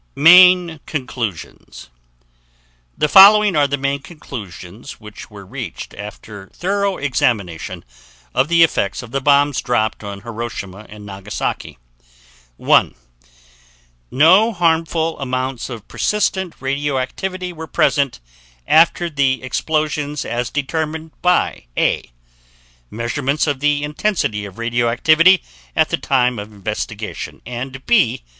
MAIN CONCLUSIONS The following are the main conclusions which were reached after thorough examination of the effects of the bombs dropped on Hiroshima and Nagasaki: 1. No harmful amounts of persistent radioactivity were present after the explosions as determined by: A. Measurements of the intensity of radioactivity at the time of the investigation; and B.